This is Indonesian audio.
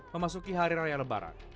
memasuki hari raya lebaran